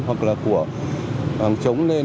hoặc là của hàng chống lên